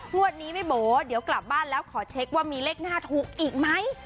งวดนี้แม่โบเดี๋ยวกลับบ้านแล้วขอเช็คว่ามีเลขหน้าถูกอีกไหม